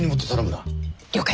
了解。